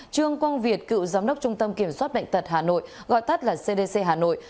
trương quang việt cựu giám đốc trung tâm kiểm soát bệnh tật hà nội gọi tắt là cdc hà nội